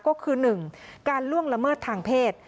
ก็คือ๑การล่วงละเมิดทางเพศ